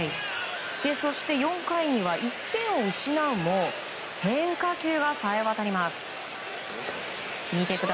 そして４回には１点を失うも変化球がさえわたります。